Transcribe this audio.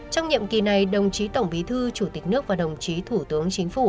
trong nhiệm kỳ này đồng chí tổng bí thư chủ tịch nước và đồng chí thủ tướng chính phủ